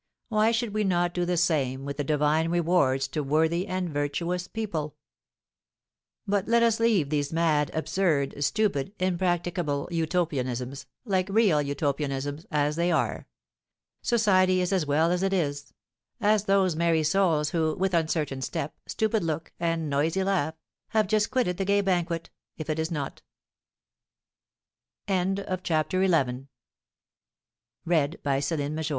Why should we not do the same with the divine rewards to worthy and virtuous people? But let us leave these mad, absurd, stupid, impracticable utopianisms, like real utopianisms, as they are. Society is as well as it is. Ask those merry souls, who, with uncertain step, stupid look, and noisy laugh, have just quitted the gay banquet, if it is not. CHAPTER XII. THE PROTECTRESS. The in